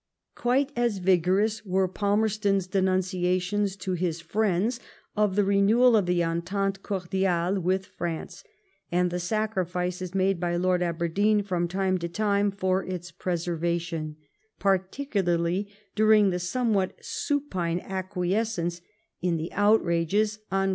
Quite as vigorous were Palmerston's denunciations to his friends of the renewal of the entente cordiale with France, and the sacrifices made by Lord Aberdeen from time to time for its preservation; particularly during the somewhat supine acquiescence in the outrages on ABERDEEN AT THE FOREIGN OFFICE.